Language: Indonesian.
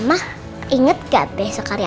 mama inget gak besok hari apa